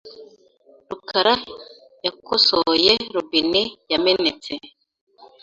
rukara yakosoye robine yamenetse .